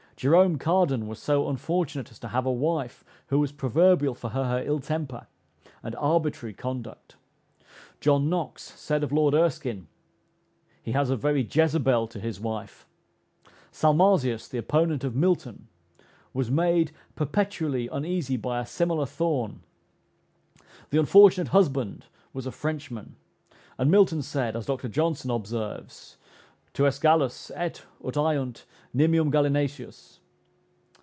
Jerome Cardan was so unfortunate as to have a wife who was proverbial for her ill temper and arbitrary conduct. John Knox said of Lord Erskine, "He has a very Jezebel to his wife." Salmasius, the opponent of Milton, was made perpetually uneasy by a similar thorn. The unfortunate husband was a Frenchman, and Milton said (as Dr Johnson observes,) "Tu es Gallus, et, ut aiunt, nimium gallinaceus."